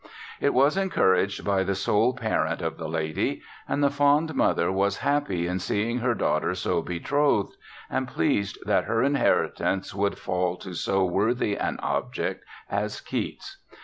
It was encouraged by the sole parent of the lady; and the fond mother was happy in seeing her daughter so betrothed, and pleased that her inheritance would fall to so worthy an object as Keats.